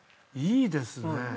いいですね。